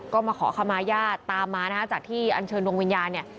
ก็มาขอขมาญาติตามมาจากที่อันเชิญวงวิญญาณ